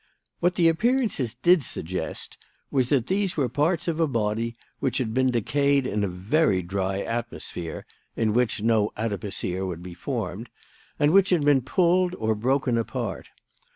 "What the appearances did suggest was that these were parts of a body which had decayed in a very dry atmosphere (in which no adipocere would be formed), and which had been pulled or broken apart.